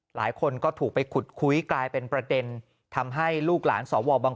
หลายคนก็ถูกไปขุดคุยกลายเป็นประเด็นทำให้ลูกหลานสวบาง